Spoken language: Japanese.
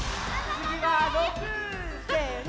つぎは６！せの！